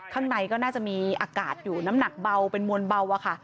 ข้างในก็น่าจะมีอากาศอยู่น้ำหนักเบาเป็นมวลเบาอะค่ะ